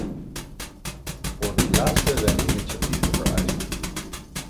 Voor dit laatste zijn initiatieven vereist.